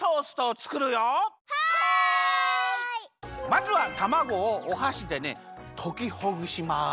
まずはたまごをおはしでねときほぐします。